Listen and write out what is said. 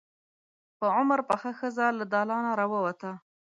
په عمر پخه ښځه له دالانه راووته.